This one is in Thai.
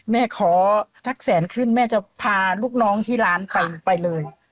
แม่ขอทักแสนขึ้นแม่จะพาลูกน้องที่ร้านไปเลย